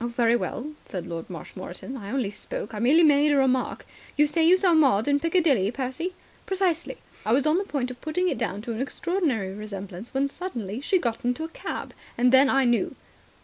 "Oh, very well," said Lord Marshmoreton. "I only spoke. I merely made a remark." "You say you saw Maud in Piccadilly, Percy?" "Precisely. I was on the point of putting it down to an extraordinary resemblance, when suddenly she got into a cab. Then I knew."